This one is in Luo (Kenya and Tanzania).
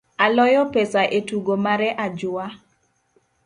Aloyo pesa etugo mare ajua.